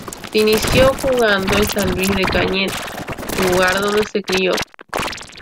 Se inició jugando en San Luis de Cañete, lugar donde se crio.